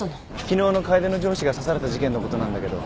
昨日の楓の上司が刺された事件のことなんだけど